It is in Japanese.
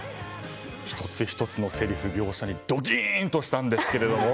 １つ１つのせりふ、描写にドキン！としたんですけど